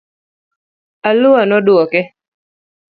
Alua nodwoke.